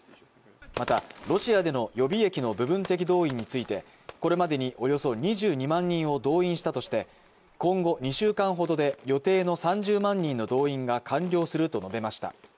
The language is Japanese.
また、ロシアでの予備役の部分的動員についてこれまでにおよそ２２万人を動員したとして今後２週間ほどで予定の３０万人の動員が完了すると述べました。